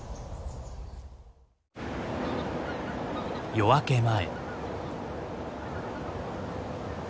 夜明け前。